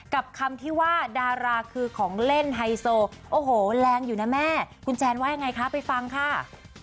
กับคำที่ว่าดาราคือของเล่นไฮโซโอ้โหแรงอยู่นะแม่คุณแจนว่ายังไงคะไปฟังค่ะ